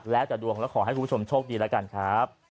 แล้วแต่ดวงแล้วขอให้คุณผู้ชมโชคดีแล้วกันครับ